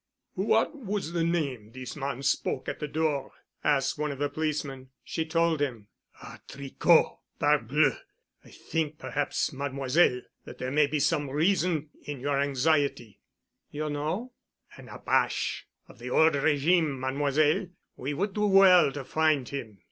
"What was the name this man spoke at the door?" asked one of the policemen. She told him. "Ah, Tricot! Parbleu! I think perhaps, Mademoiselle, that there may be some reason in your anxiety." "You know——?" "An apache of the old régime, Mademoiselle. We would do well to find him."